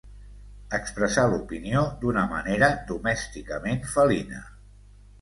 Expressar l'opinió d'una manera domèsticament felina.